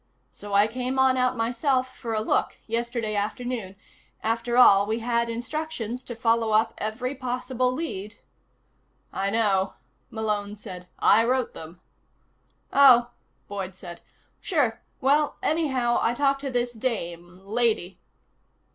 So I came on out myself for a look, yesterday afternoon after all, we had instructions to follow up every possible lead." "I know," Malone said. "I wrote them." "Oh," Boyd said. "Sure. Well, anyhow, I talked to this dame. Lady."